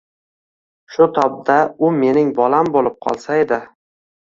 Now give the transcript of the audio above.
Shu tobda u mening bolam bo`lib qolsaydi